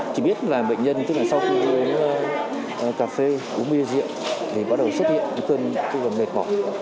chỉ biết là bệnh nhân sau khi uống cà phê uống bia rượu thì bắt đầu xuất hiện cơn mệt mỏi